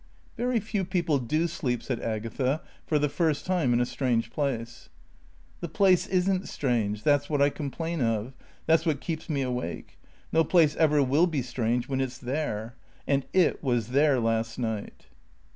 "Very few people do sleep," said Agatha, "for the first time in a strange place." "The place isn't strange. That's what I complain of. That's what keeps me awake. No place ever will be strange when It's there. And It was there last night."